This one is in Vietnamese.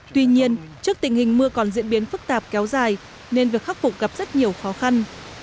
tuy nhiên trước tình hình mưa còn diễn biến phức tạp kéo dài nên việc khắc phục gặp rất nhiều khó khăn